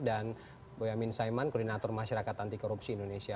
dan boyamin saiman koordinator masyarakat anti korupsi indonesia